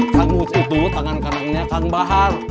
kang mus itu tangan kanangnya kang bahar